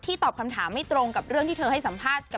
ตอบคำถามไม่ตรงกับเรื่องที่เธอให้สัมภาษณ์